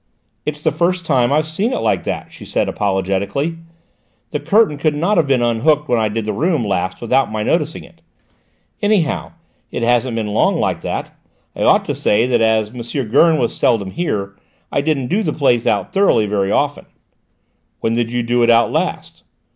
"It's the first time I've seen it like that," she said apologetically; "the curtain could not have been unhooked when I did the room last without my noticing it. Anyhow, it hasn't been like that long. I ought to say that as M. Gurn was seldom here I didn't do the place out thoroughly very often." "When did you do it out last?"